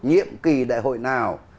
nhiệm kỳ đại hội nào